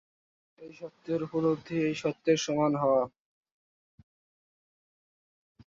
এই সত্যের উপলব্ধি এই সত্যের সমান হওয়া।